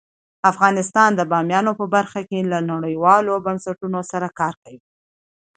افغانستان د بامیان په برخه کې له نړیوالو بنسټونو سره کار کوي.